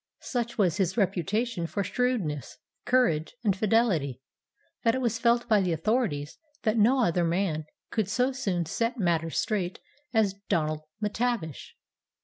Such was his reputation for shrewdness, courage, and fidelity, that it was felt by the authorities that no other man could so soon set matters straight as Donald M'Tavish.